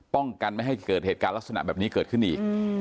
ป้องกันไม่ให้เกิดเหตุการณ์ลักษณะแบบนี้เกิดขึ้นอีก